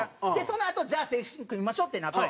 そのあとじゃあ正式に組みましょうってなって。